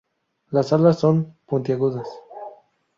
Las alas son puntiagudas.